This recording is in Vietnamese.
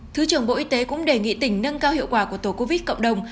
thứ trưởng bộ y tế cũng đề nghị tỉnh nâng cao hiệu quả của tổ covid cộng đồng